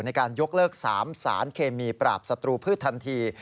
ในการยกเลิก๓สารเคมีปราบศัตรูพืชทันที